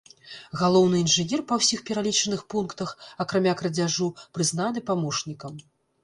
Галоўны інжынер па ўсіх пералічаных пунктах, акрамя крадзяжу, прызнаны памочнікам.